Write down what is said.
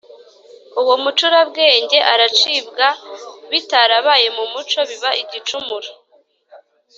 uwo mucurabwenge aracibwa bitarabaye mu muco biba igicumuro